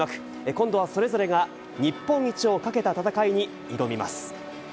今度はそれぞれが日本一をかけた戦いに挑みます。